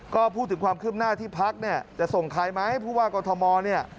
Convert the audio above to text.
ก็พูดถึงความคืบหน้าที่พักเนี่ยจะส่งใครไหมผู้ว่ากอทมเนี่ย